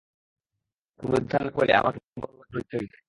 তুমি উদ্ধার না করিলে আমাকে বড়ো লজ্জায় পড়িতে হইবে।